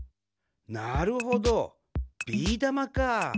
なるほどビーだまかあ。